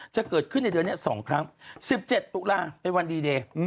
จะเกิดขึ้นในเดือนนี้๒ครั้ง๑๗ตุลาเป็นวันดีเดย์